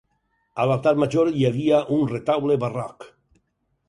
A l'altar major hi havia un retaule barroc.